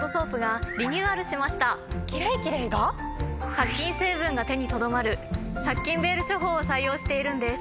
殺菌成分が手にとどまる殺菌ベール処方を採用しているんです。